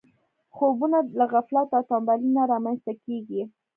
خوبونه له غفلت او تنبلي نه رامنځته کېږي.